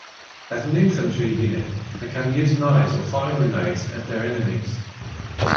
As an infantry unit, they can use knives or fire grenades at their enemies.